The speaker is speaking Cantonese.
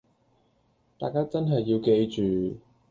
大家真係要記住